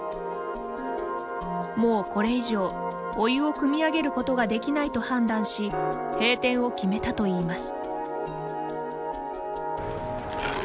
もうこれ以上お湯をくみ上げることができないと判断し閉店を決めたといいます。